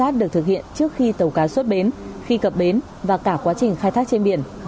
thực hiện trước khi tàu cá xuất bến khi cập bến và cả quá trình khai thác trên biển